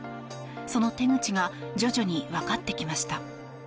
その手口が徐々に分かってきました。